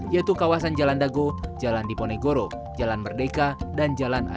yaitu kawasan jalan dago jalan diponegoro jalan merdeka dan jalan